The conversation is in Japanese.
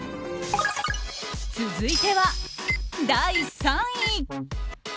続いては第３位。